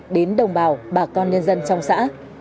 đến đồng bào bà con nhân dân trong xã